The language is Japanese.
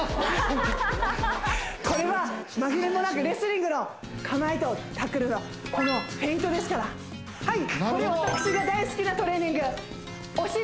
これは紛れもなくレスリングの構えとタックルのこのフェイントですからはいこれ私が大好きなトレーニングお尻